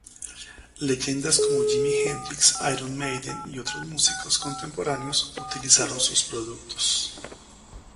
Leyendas como Jimi Hendrix, Iron Maiden y otros músicos contemporáneos utilizaron sus productos.